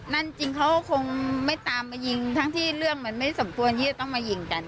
นั่นจริงเขาคงไม่ตามมายิงทั้งที่เรื่องมันไม่สมควรที่จะต้องมายิงกัน